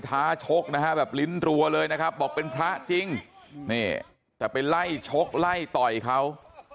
ท้าชกนะฮะแบบลิ้นรัวเลยนะครับบอกเป็นพระจริงนี่แต่ไปไล่ชกไล่ต่อยเขา